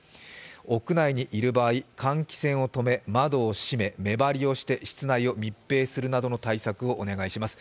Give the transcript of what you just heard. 屋内にいる場合、換気扇を止め窓を閉め目張りをして室内を密閉するなどの対策をお願いします。